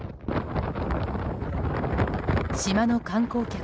島の観光客